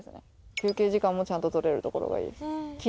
休憩時間もちゃんと取れる所がいいです。